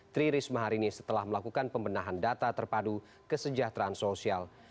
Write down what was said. tri risma hari ini setelah melakukan pembenahan data terpadu kesejahteraan sosial